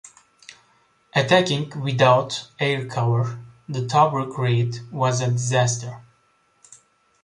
Attacking without air cover, the Tobruk raid was a disaster.